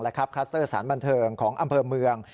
คลัสเตอร์สารบันเทิงของอำเภอเมือง